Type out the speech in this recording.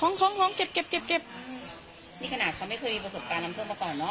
นี่ขนาดเขาไม่เคยมีประสบการณ์นำเสื้อมาก่อนเนอะ